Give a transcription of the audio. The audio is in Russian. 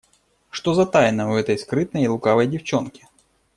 Что за тайна у этой скрытной и лукавой девчонки?